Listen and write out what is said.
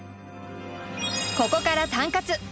ここからタンカツ！